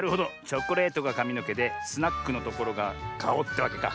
チョコレートがかみのけでスナックのところがかおってわけか。